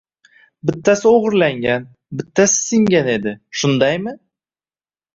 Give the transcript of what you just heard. Bittasi o‘g‘irlangan, bittasi singan edi, shundaymi